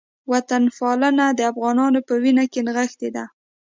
وطنپالنه د افغانانو په وینه کې نغښتې ده